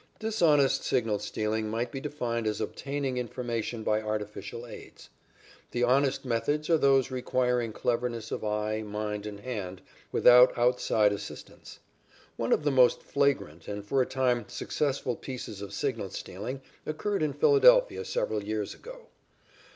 Dishonest signal stealing might be defined as obtaining information by artificial aids. The honest methods are those requiring cleverness of eye, mind, and hand without outside assistance. One of the most flagrant and for a time successful pieces of signal stealing occurred in Philadelphia several years ago.